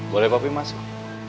boleh pak pi masuk